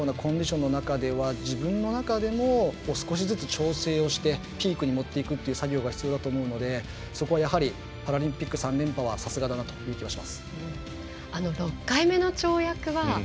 きょうのようなコンディションの中では自分の中でも少しずつ、調整をしてピークに持っていく作業が必要だと思うのでそこはやはりパラリンピック３連覇はさすがだなという気がします。